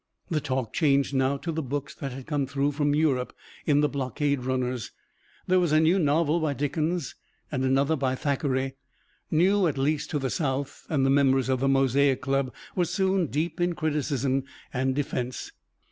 The talk changed now to the books that had come through from Europe in the blockade runners. There was a new novel by Dickens and another by Thackeray, new at least to the South, and the members of the Mosaic Club were soon deep in criticism and defense.